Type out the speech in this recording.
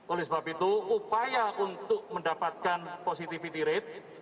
oleh sebab itu upaya untuk mendapatkan positivity rate